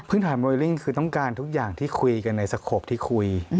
ถามโมริ่งคือต้องการทุกอย่างที่คุยกันในสโขปที่คุย